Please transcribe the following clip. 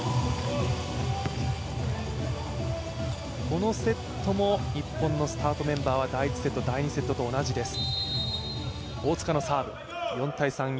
このセットも日本のスタートメンバーは第１セット、第２セットと同じです。